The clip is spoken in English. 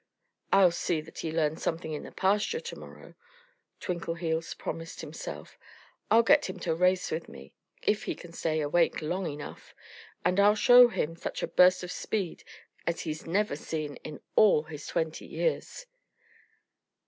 "I'll see that he learns something in the pasture to morrow," Twinkleheels promised himself. "I'll get him to race with me if he can stay awake long enough. And I'll show him such a burst of speed as he's never seen in all his twenty years."